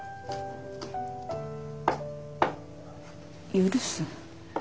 許す？